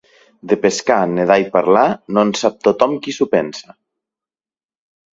De pescar, nedar i parlar, no en sap tothom qui s'ho pensa.